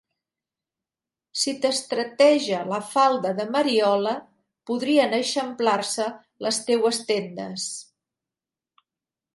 Si t'estreteja la falda de Mariola, podrien eixamplar-se les teues tendes.